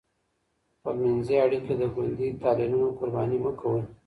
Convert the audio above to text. خپلمنځي اړیکې د ګوندي تحلیلونو قرباني مه کوئ.